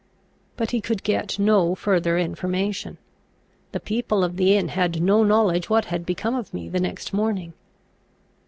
But he could get no further information. The people of the inn had no knowledge what had become of me the next morning.